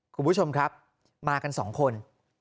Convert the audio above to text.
คุณผู้ชมครับมากันสองคน